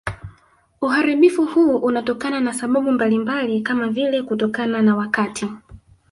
Uharibifu huu unatokana na sababu mbalimbali kama vile kutokana na wakati